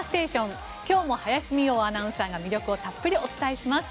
今日も林美桜アナウンサーが魅力をたっぷりお伝えします。